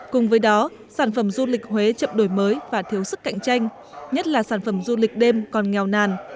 cùng với đó sản phẩm du lịch huế chậm đổi mới và thiếu sức cạnh tranh nhất là sản phẩm du lịch đêm còn nghèo nàn